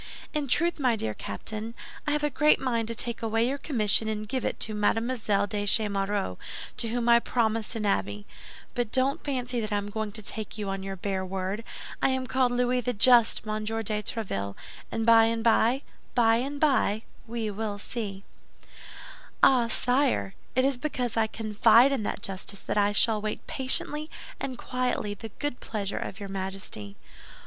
In truth, my dear Captain, I have a great mind to take away your commission and give it to Mademoiselle de Chemerault, to whom I promised an abbey. But don't fancy that I am going to take you on your bare word. I am called Louis the Just, Monsieur de Tréville, and by and by, by and by we will see." "Ah, sire; it is because I confide in that justice that I shall wait patiently and quietly the good pleasure of your Majesty."